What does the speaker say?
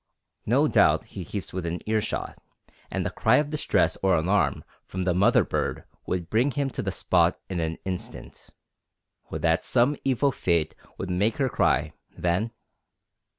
No doubt he keeps within earshot, and a cry of distress or alarm from the mother bird would bring him to the spot in an instant. Would that some evil fate would make her cry, then!